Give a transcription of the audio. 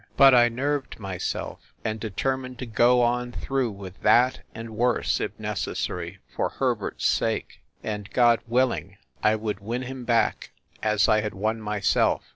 But I nerved myself, and determined to go on through with that, and worse, if necessary, for Herbert s sake. And, God willing, I would win him back as I had won myself.